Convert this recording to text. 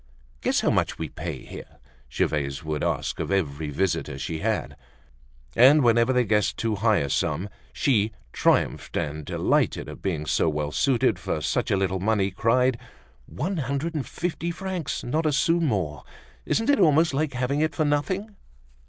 "Guess how much we pay here?" Gervaise would ask of every visitor she had. And whenever they guessed too high a sum, she triumphed and delighted at being so well suited for such a little money, cried: "One hundred and fifty francs, not a sou more! Isn't it almost like having it for nothing!"